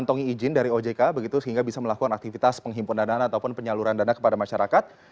mengantongi izin dari ojk begitu sehingga bisa melakukan aktivitas penghimpunan dana ataupun penyaluran dana kepada masyarakat